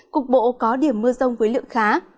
cục bộ có điểm mưa rông với lượng khá